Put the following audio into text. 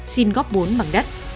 xin góp vốn bằng đất